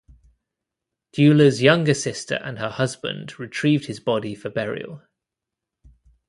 Dula's younger sister and her husband retrieved his body for burial.